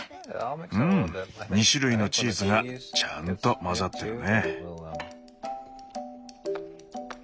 うん２種類のチーズがちゃんと混ざってるね。